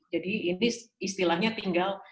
jadi ini istilahnya tinggal